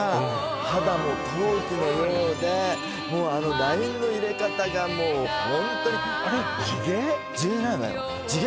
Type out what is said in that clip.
肌も陶器のようでもうあのラインの入れ方がもうホントにあれ地毛？